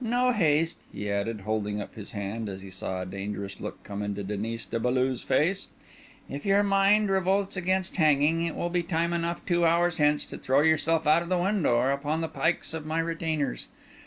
No haste!" he added, holding up his hand, as he saw a dangerous look come into Denis de Beaulieu's face. "If your mind revolts against hanging, it will be time enough two hours hence to throw yourself out of the window or upon the pikes of my retainers.